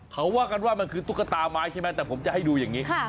เขาว่ากันว่ามันคือตุ๊กตาไม้ใช่ไหมแต่ผมจะให้ดูอย่างนี้